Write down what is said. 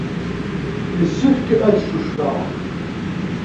Yessefk ad ccucfeɣ.